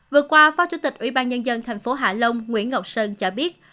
vừa qua phó chủ tịch ủy ban nhân dân tp hạ long nguyễn ngọc sơn cho biết